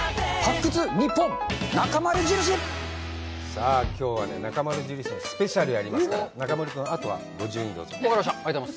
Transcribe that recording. さぁ今日はね「なかまる印」のスペシャルやりますから中丸くんあとはご自由にどうぞ分かりました